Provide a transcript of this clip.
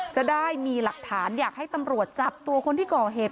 จะได้มีหลักฐานอยากให้ตำรวจจับตัวคนที่ก่อเหตุ